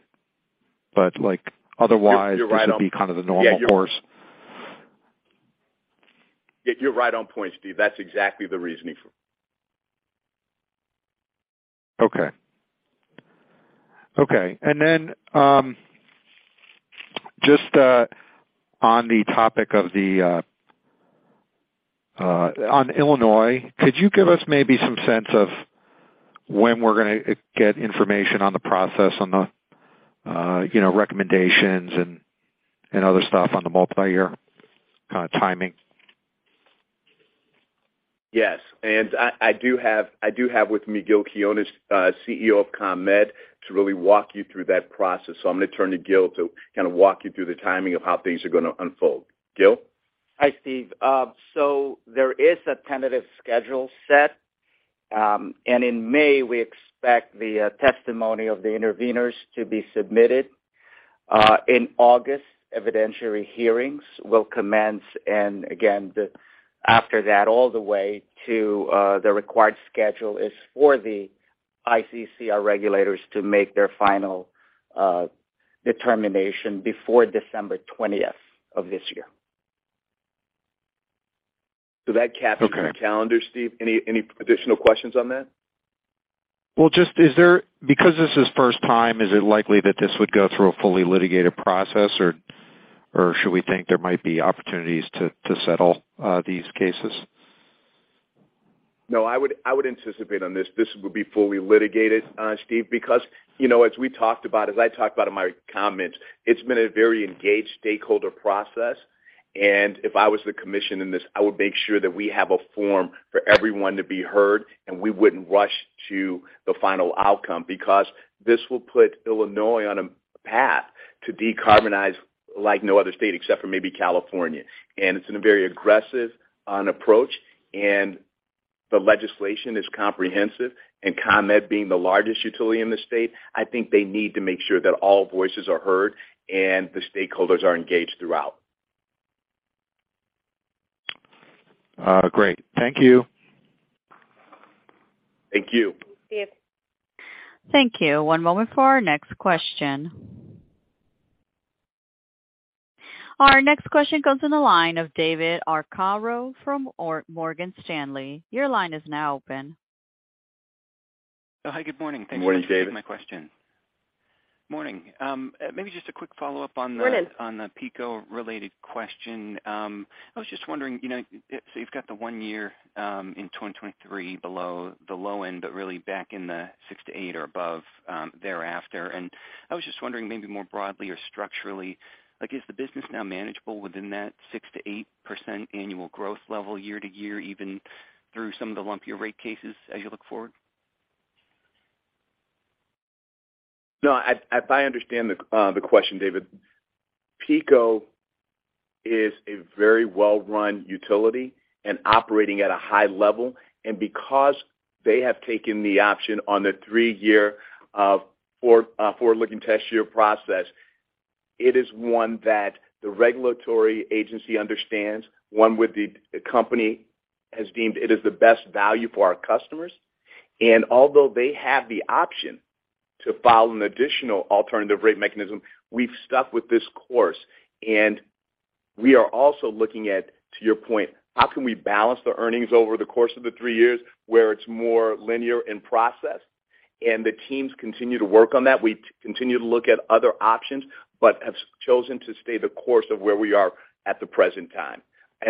but, like, otherwise- You're right on. This would be kind of the normal course. Yeah, you're right on point, Steve. That's exactly the reasoning for it. Okay. Okay. just, on Illinois, could you give us maybe some sense of when we're gonna get information on the process, on the, you know, recommendations and other stuff on the multi-year kind of timing? Yes. I do have with me Gil Quiniones, CEO of ComEd, to really walk you through that process. I'm gonna turn to Gil to kind of walk you through the timing of how things are gonna unfold. Gil? Hi, Steve. There is a tentative schedule set. In May, we expect the testimony of the intervenors to be submitted. In August, evidentiary hearings will commence. Again, after that, all the way to the required schedule is for the ICC, our regulators, to make their final determination before December 20th of this year. That caps the calendar, Steve. Any additional questions on that? Well, just because this is first time, is it likely that this would go through a fully litigated process or should we think there might be opportunities to settle these cases? No, I would anticipate on this would be fully litigated, Steve, because, you know, as we talked about in my comments, it's been a very engaged stakeholder process. If I was the commission in this, I would make sure that we have a forum for everyone to be heard, and we wouldn't rush to the final outcome because this will put Illinois on a path to decarbonize like no other state except for maybe California. It's in a very aggressive approach, and the legislation is comprehensive. ComEd being the largest utility in the state, I think they need to make sure that all voices are heard and the stakeholders are engaged throughout. Great. Thank you. Thank you. Thanks, Steve. Thank you. One moment for our next question. Our next question comes in the line of David Arcaro from Morgan Stanley. Your line is now open. Oh, hi, good morning. Good morning, David. Thank you for taking my question. Morning. maybe just a quick follow-up on. Good morning. On the PECO-related question. I was just wondering, you know, so you've got the one year in 2023 below the low end, but really back in the 6% to 8% or above thereafter. I was just wondering maybe more broadly or structurally, like, is the business now manageable within that 6% to 8% annual growth level year to year, even through some of the lumpier rate cases as you look forward? No. As I understand the question, David, PECO is a very well-run utility and operating at a high level. Because they have taken the option on the three-year forward-looking test year process, it is one that the regulatory agency understands, one with the company has deemed it is the best value for our customers. Although they have the option to file an additional alternative rate mechanism, we've stuck with this course. We are also looking at, to your point, how can we balance the earnings over the course of the three years where it's more linear in process? The teams continue to work on that. We continue to look at other options, but have chosen to stay the course of where we are at the present time.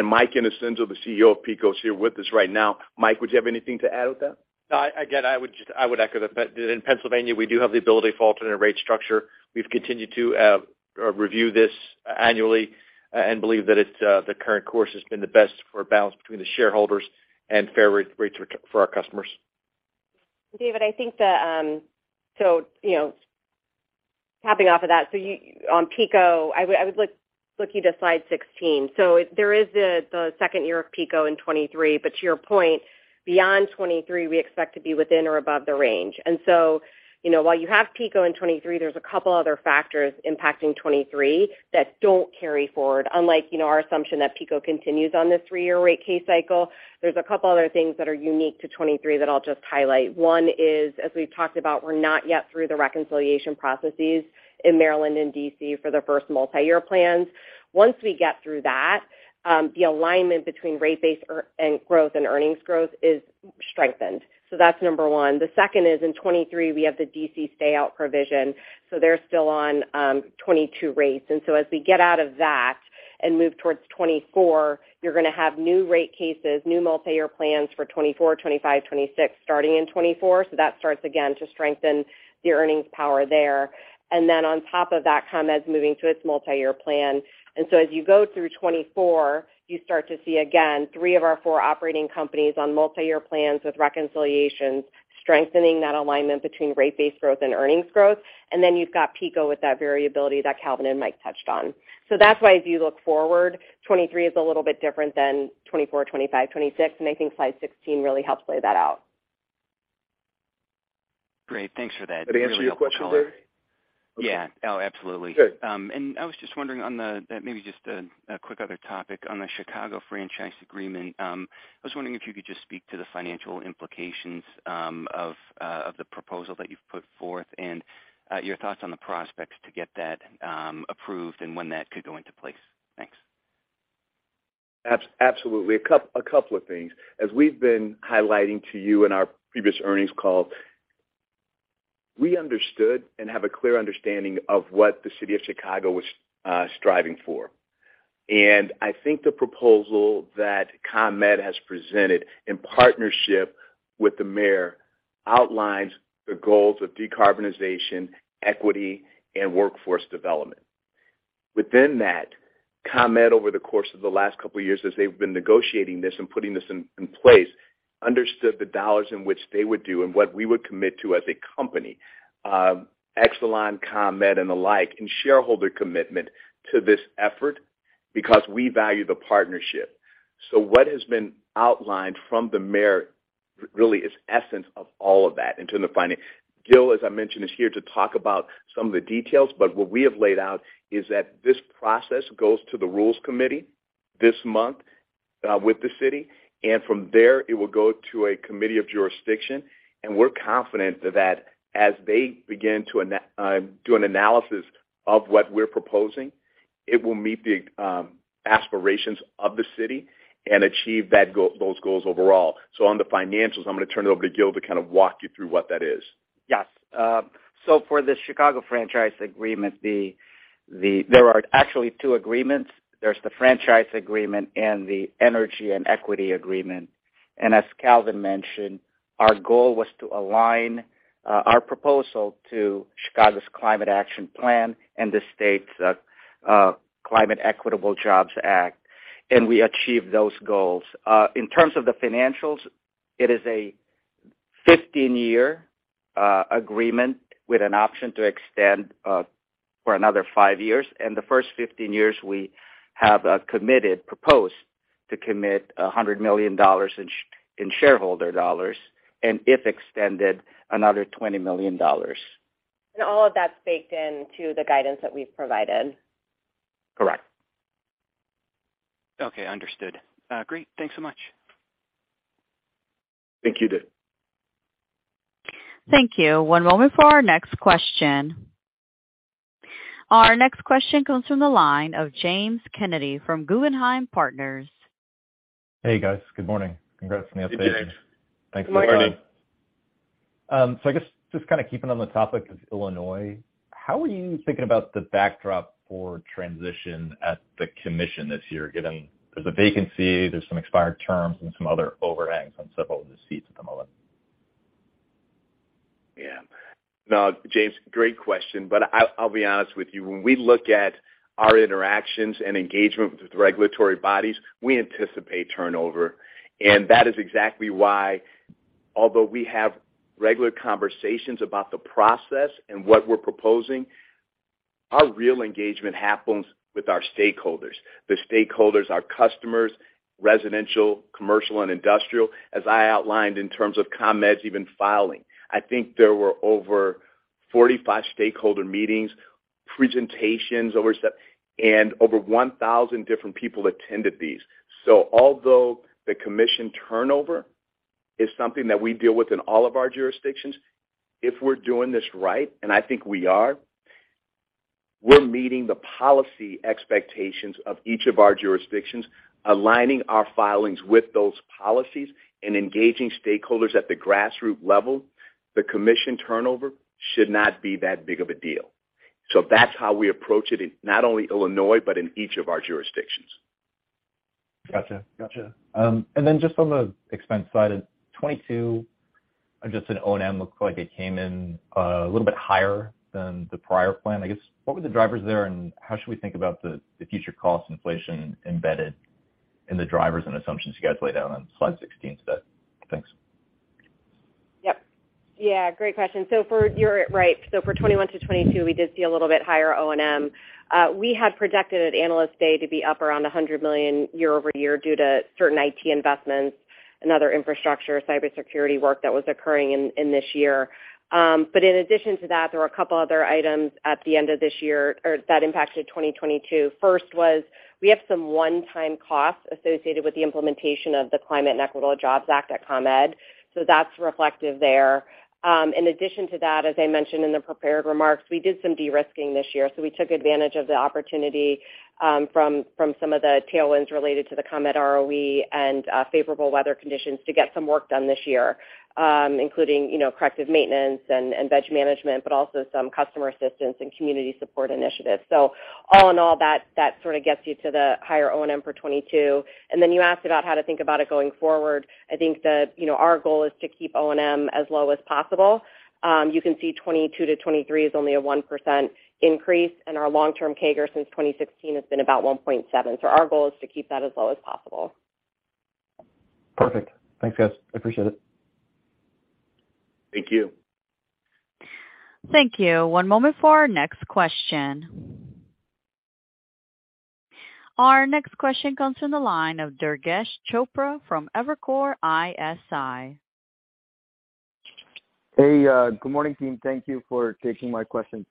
Mike Innocenzo, the CEO of PECO, is here with us right now. Mike, would you have anything to add with that? No. Again, I would echo the fact that in Pennsylvania, we do have the ability for alternative rate structure. We've continued to review this annually and believe that it's the current course has been the best for a balance between the shareholders and fair rate for our customers. David, I think the, you know, tapping off of that, on PECO, I would look to slide 16. There is the second year of PECO in 23, but to your point, beyond 23, we expect to be within or above the range. You know, while you have PECO in 23, there's a couple other factors impacting 23 that don't carry forward. Unlike, you know, our assumption that PECO continues on this three-year rate case cycle, there's a couple other things that are unique to 23 that I'll just highlight. One is, as we've talked about, we're not yet through the reconciliation processes in Maryland and D.C. for their first multi-year plans. Once we get through that, the alignment between rate base and growth and earnings growth is strengthened. That's number one. The second is in 2023, we have the D.C. stay out provision, so they're still on 2022 rates. As we get out of that and move towards 2024, you're gonna have new rate cases, new multi-year plans for 2024, 2025, 2026 starting in 2024. That starts again to strengthen the earnings power there. On top of that, ComEd's moving to its multi-year plan. As you go through 2024, you start to see, again, three of our four operating companies on multi-year plans with reconciliations, strengthening that alignment between rate base growth and earnings growth. You've got PECO with that variability that Calvin and Mike touched on. That's why as you look forward, 2023 is a little bit different than 2024, 2025, 2026, and I think slide 16 really helps lay that out. Great. Thanks for that. Did I answer your question, David? Yeah. Oh, absolutely. Good. I was just wondering on the maybe just a quick other topic on the Chicago franchise agreement. I was wondering if you could just speak to the financial implications of the proposal that you've put forth and your thoughts on the prospects to get that approved and when that could go into place. Thanks. Absolutely. A couple of things. As we've been highlighting to you in our previous earnings call, we understood and have a clear understanding of what the city of Chicago was striving for. I think the proposal that ComEd has presented in partnership with the mayor outlines the goals of decarbonization, equity, and workforce development. Within that, ComEd, over the course of the last couple of years as they've been negotiating this and putting this in place, understood the dollars in which they would do and what we would commit to as a company, Exelon, ComEd, and the like, and shareholder commitment to this effort because we value the partnership. What has been outlined from the mayor really is essence of all of that in terms of funding. Gil, as I mentioned, is here to talk about some of the details, but what we have laid out is that this process goes to the rules committee this month, with the city, and from there it will go to a committee of jurisdiction. We're confident that as they begin to do an analysis of what we're proposing. It will meet the aspirations of the city and achieve those goals overall. On the financials, I'm gonna turn it over to Gil to kind of walk you through what that is. Yes. For the Chicago franchise agreement, there are actually two agreements. There's the franchise agreement and the energy and equity agreement. As Calvin mentioned, our goal was to align our proposal to Chicago's Climate Action Plan and the state's Climate and Equitable Jobs Act, and we achieved those goals. In terms of the financials, it is a 15-year agreement with an option to extend for another 5 years. The first 15 years, we have proposed to commit $100 million in shareholder dollars and if extended, another $20 million. All of that's baked into the guidance that we've provided. Correct. Okay, understood. Great. Thanks so much. Thank you, Dave. Thank you. One moment for our next question. Our next question comes from the line of James Kennedy from Guggenheim Securities. Hey, guys. Good morning. Congrats on the update. Good day. Thanks for coming. Good morning. I guess just kind of keeping on the topic of Illinois, how are you thinking about the backdrop for transition at the commission this year, given there's a vacancy, there's some expired terms and some other overhangs on several of the seats at the moment? Yeah. No, James, great question. I'll be honest with you. When we look at our interactions and engagement with regulatory bodies, we anticipate turnover. That is exactly why, although we have regular conversations about the process and what we're proposing, our real engagement happens with our stakeholders. The stakeholders are customers, residential, commercial, and industrial, as I outlined in terms of ComEd's even filing. I think there were over 45 stakeholder meetings, presentations and over 1,000 different people attended these. Although the commission turnover is something that we deal with in all of our jurisdictions, if we're doing this right, and I think we are, we're meeting the policy expectations of each of our jurisdictions, aligning our filings with those policies and engaging stakeholders at the grassroots level. The commission turnover should not be that big of a deal. That's how we approach it in not only Illinois, but in each of our jurisdictions. Gotcha. Gotcha. Just on the expense side, 2022, just in O&M, looked like it came in a little bit higher than the prior plan. I guess, what were the drivers there, and how should we think about the future cost inflation embedded in the drivers and assumptions you guys laid out on slide 16 to that? Thanks. Yep. Yeah, great question. You're right. For 2021 to 2022, we did see a little bit higher O&M. We had projected at Analyst Day to be up around $100 million year-over-year due to certain IT investments and other infrastructure cybersecurity work that was occurring in this year. In addition to that, there were a couple other items at the end of this year or that impacted 2022. First was we have some one-time costs associated with the implementation of the Climate and Equitable Jobs Act at ComEd. That's reflective there. In addition to that, as I mentioned in the prepared remarks, we did some de-risking this year, so we took advantage of the opportunity from some of the tailwinds related to the ComEd ROE and favorable weather conditions to get some work done this year, including, you know, corrective maintenance and veg management, but also some customer assistance and community support initiatives. All in all, that sort of gets you to the higher O&M for 2022. Then you asked about how to think about it going forward. I think that, you know, our goal is to keep O&M as low as possible. You can see 2022 to 2023 is only a 1% increase, and our long-term CAGR since 2016 has been about 1.7. Our goal is to keep that as low as possible. Perfect. Thanks, guys. I appreciate it. Thank you. Thank you. One moment for our next question. Our next question comes from the line of Durgesh Chopra from Evercore ISI. Hey, good morning, team. Thank you for taking my question.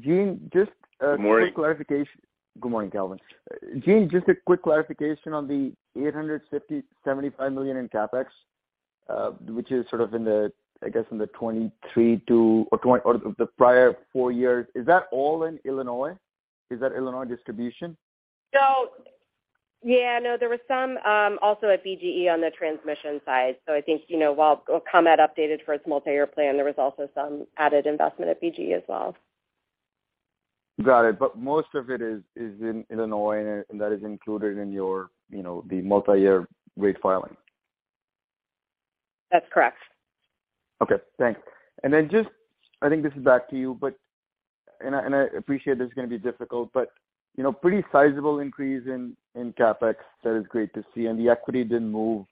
Jeanne, just a quick clarification. Good morning. Good morning, Calvin. Jeanne, just a quick clarification on the $875 million in CapEx, which is sort of in the, I guess, in the 2023 to or the prior four years, is that all in Illinois? Is that Illinois distribution? Yeah, no, there was some also at BGE on the transmission side. I think, you know, while ComEd updated for its multi-year plan, there was also some added investment at BGE as well. Got it. Most of it is in Illinois, and that is included in your, you know, the multi-year rate filing. That's correct. Okay, thanks. Then just I think this is back to you, but I appreciate this is gonna be difficult, but, you know, pretty sizable increase in CapEx. That is great to see. The equity didn't move.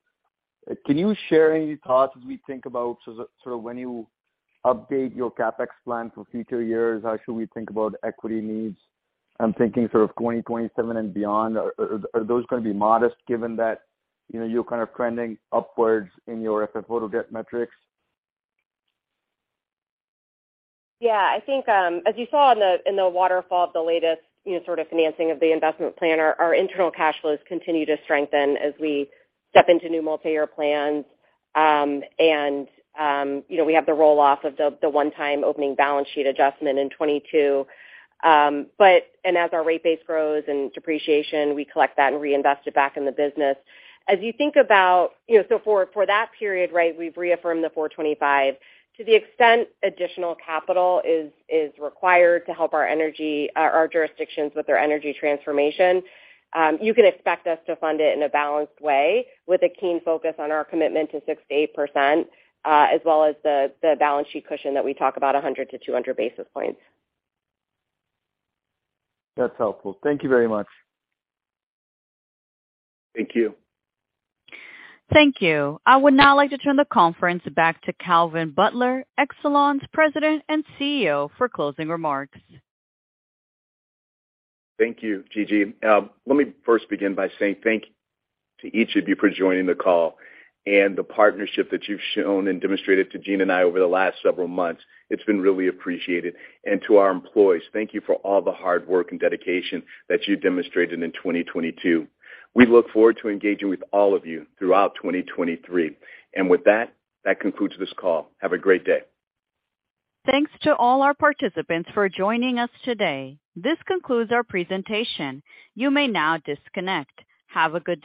Can you share any thoughts as we think about sort of when you update your CapEx plan for future years, how should we think about equity needs? I'm thinking sort of 2027 and beyond. Are those gonna be modest given that, you know, you're kind of trending upwards in your FFO to debt metrics? Yeah. I think, as you saw in the, in the waterfall of the latest, you know, sort of financing of the investment plan, our internal cash flows continue to strengthen as we step into new multi-year plans. You know, we have the roll-off of the one-time opening balance sheet adjustment in 2022. As our rate base grows and depreciation, we collect that and reinvest it back in the business. As you think about, you know, so for that period, right, we've reaffirmed the $4.25. To the extent additional capital is required to help our energy, our jurisdictions with their energy transformation, you can expect us to fund it in a balanced way with a keen focus on our commitment to 6% to 8%, as well as the balance sheet cushion that we talk about 100 to 200 basis points. That's helpful. Thank you very much. Thank you. Thank you. I would now like to turn the conference back to Calvin Butler, Exelon's President and CEO, for closing remarks. Thank you, Gigi. Let me first begin by saying thank you to each of you for joining the call and the partnership that you've shown and demonstrated to Jeanne and I over the last several months. It's been really appreciated. To our employees, thank you for all the hard work and dedication that you demonstrated in 2022. We look forward to engaging with all of you throughout 2023. With that concludes this call. Have a great day. Thanks to all our participants for joining us today. This concludes our presentation. You may now disconnect. Have a good day.